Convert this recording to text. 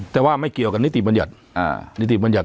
แต่ว่าไม่เกี่ยวกับนิติบรรยาตร